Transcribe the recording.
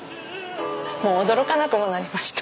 もう驚かなくもなりました。